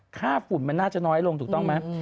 ฝุ่นมันน่าจะน้อยลงถูกต้องไหม